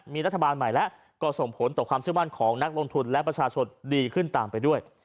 มีรัฐบาลใหม่แล้วก็ส่งผลต่อความเชื่อมั่นของนักลงทุนและประชาชนดีขึ้นตามไปด้วย